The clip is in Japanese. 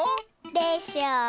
でしょう。